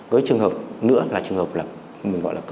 cái trường hợp nữa là trường hợp là